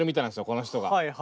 この人が。